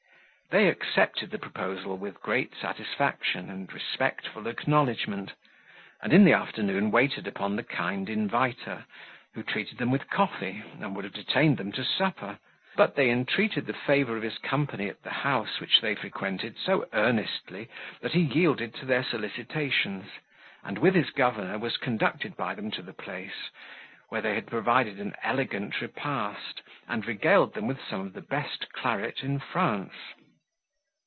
They accepted the proposal with great satisfaction and respectful acknowledgment, and in the afternoon waited upon the kind inviter, who treated them with coffee, and would have detained them to supper, but they entreated the favour of his company at the house which they frequented so earnestly, that he yielded to their solicitations, and, with his governor, was conducted by them to the place, where they had provided an elegant repast, and regaled them with some of the best claret in France.